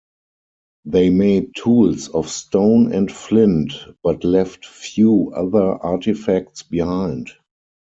They made tools of stone and flint but left few other artifacts behind.